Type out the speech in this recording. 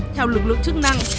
theo lực lượng chức năng